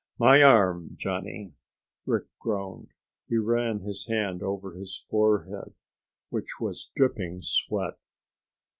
"My arm, Johnny!" Rick groaned. He ran his hand over a forehead which was dripping sweat.